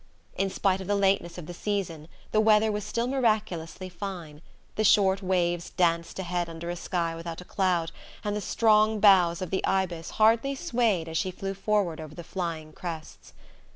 In spite of the lateness of the season the weather was still miraculously fine: the short waves danced ahead under a sky without a cloud, and the strong bows of the Ibis hardly swayed as she flew forward over the flying crests.